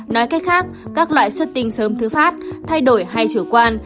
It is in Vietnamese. nói cách khác các loại xuất tinh sớm thứ phát thay đổi hay chủ quan